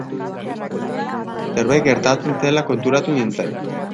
Zerbait gertatzen zela konturatu nintzen.